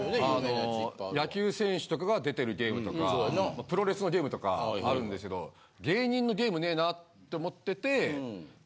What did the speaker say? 野球選手とかが出てるゲームとかプロレスのゲームとかあるんですけど芸人のゲームねえなって思ってて。って言われて。